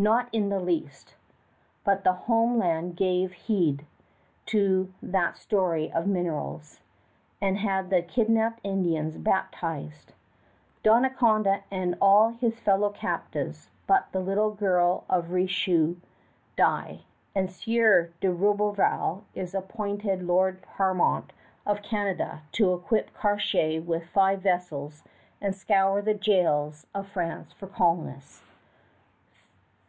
Not in the least; but the home land gave heed to that story of minerals, and had the kidnapped Indians baptized. Donnacona and all his fellow captives but the little girl of Richelieu die, and Sieur de Roberval is appointed lord paramount of Canada to equip Cartier with five vessels and scour the jails of France for colonists.